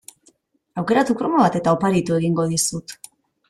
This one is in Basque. Aukeratu kromo bat eta oparitu egingo dizut.